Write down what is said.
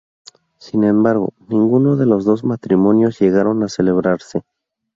Sin embargo, ninguno de los dos matrimonios llegaron a celebrarse.